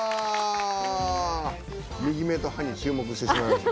右目と歯に注目しちゃいました。